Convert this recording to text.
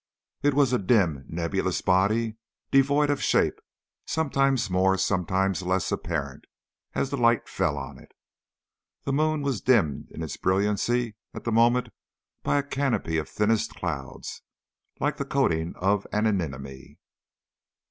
It was a dim, nebulous body, devoid of shape, sometimes more, sometimes less apparent, as the light fell on it. The moon was dimmed in its brilliancy at the moment by a canopy of thinnest cloud, like the coating of an anemone.